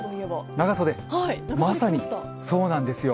まさに、そうなんですよ。